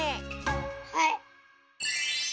はい。